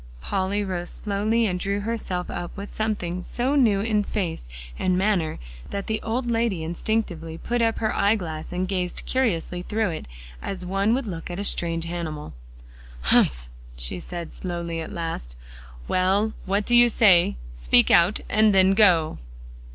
Polly rose slowly and drew herself up with something so new in face and manner that the old lady instinctively put up her eyeglass and gazed curiously through it, as one would look at a strange animal. "Humph!" she said slowly at last, "well, what do you want to say? Speak out, and then go."